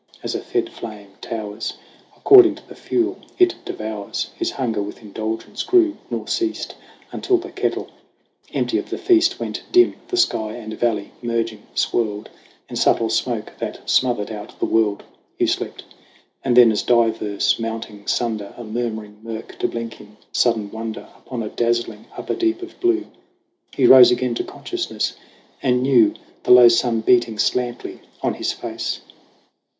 As a fed flame towers According to the fuel it devours, His hunger with indulgence grew, nor ceased Until the kettle, empty of the feast, Went dim, the sky and valley, merging, swirled In subtle smoke that smothered out the world. Hugh slept. And then as divers, mounting, sunder A murmuring murk to blink in sudden wonder Upon a dazzling upper deep of blue He rose again to consciousness, and knew The low sun beating slantly on his face.